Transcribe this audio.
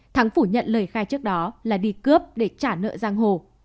thắng phủ nhận lời khai trước đó là đi cướp để trả nợ giang hồ